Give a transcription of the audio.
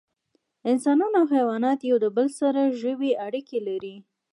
انسانان او حیوانات د یو بل سره ژوی اړیکې لري